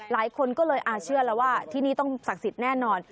หลายคนก็เลยอาเชื่อแล้วว่าที่นี่ต้องศักดิ์สิทธิ์แน่นอน